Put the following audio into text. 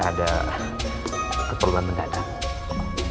ada keperluan mendatang